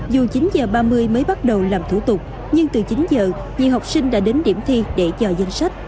dù chín h ba mươi mới bắt đầu làm thủ tục nhưng từ chín giờ nhiều học sinh đã đến điểm thi để chờ danh sách